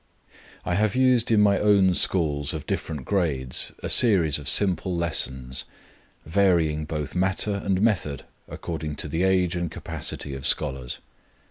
I have used in my own schools of different grades a series of simple lessons, varying both matter and method according to the age and capacity of scholars.